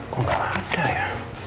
kok gak ada ya